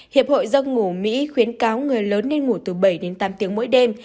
hiệp hội giấc ngủ mỹ khuyến cáo người lớn nên ngủ từ bảy đến tám tiếng mỗi đêm